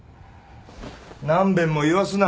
何遍も言わすな。